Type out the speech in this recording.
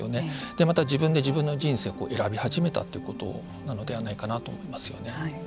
で、また自分で自分の人生を選び始めたということなのではないかなと思いますよね。